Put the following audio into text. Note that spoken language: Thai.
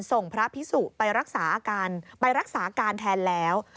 ส่งพระภิสุไปรักษาการแทนแล้ว